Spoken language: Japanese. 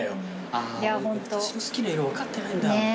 「あ私の好きな色分かってないんだ」